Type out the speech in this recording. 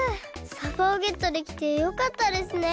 さばをゲットできてよかったですね。